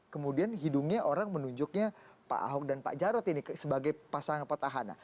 kemudian hidungnya orang menunjuknya pak ahok dan pak jarod ini sebagai pasangan petahana